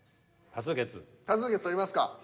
多数決取りますか。